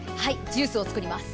ジュースを作ります。